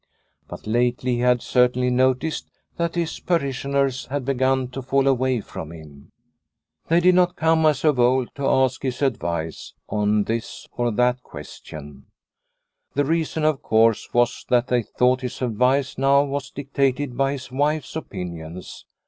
But lately he had certainly noticed that his parishioners had begun to fall away from him. They did not come as of old to ask his advice on this or that question. The reason, of course, was that they thought his advice now was dictated by his wife's opinions.